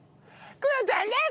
クロちゃんです！